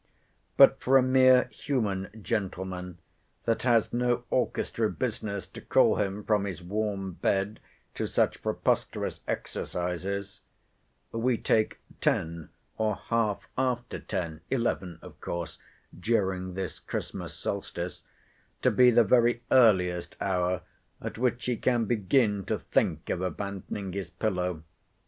But for a mere human gentleman—that has no orchestra business to call him from his warm bed to such preposterous exercises—We take ten, or half after ten (eleven, of course, during this Christmas solstice), to be the very earliest hour, at which he can begin to think of abandoning his pillow.